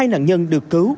hai nạn nhân được cứu